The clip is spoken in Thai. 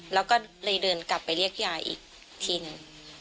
แล้วก็เลยเดินกลับไปเรียกพี่ยายอีกทีนึง